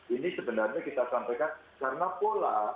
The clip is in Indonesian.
ini sebenarnya kita sampaikan karena pola